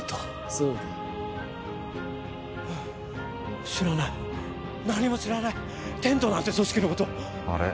そうだ知らない何も知らないテントなんて組織のことあれ？